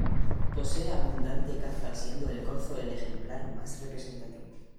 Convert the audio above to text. Posee abundante caza siendo el corzo el ejemplar más representativo.